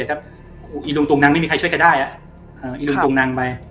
ไอลุงตรงนางไม่มีใครช่วยกันได้ไอลุงตรงนางไป